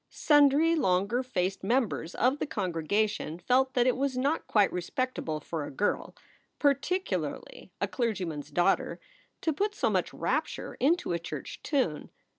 Sundry longer faced members of the congregation felt that it was not quite respectable for a girl particularly a clergyman s daughter to put so much rapture into a church tune.